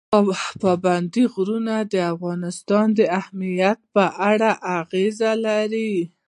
پابندی غرونه د افغانستان د امنیت په اړه هم اغېز لري.